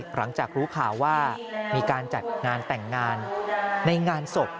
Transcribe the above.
หลังจากรู้ข่าวว่ามีการจัดงานแต่งงานในงานศพ